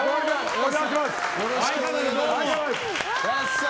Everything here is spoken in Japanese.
お邪魔します！